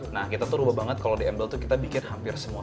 nah kita tuh rupa banget kalau di embl itu kita bikin hampir semua